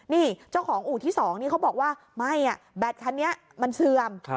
นี่เจ้าของอู่ที่๒นี่เขาบอกว่าไม่แบตคันนี้มันเสื่อม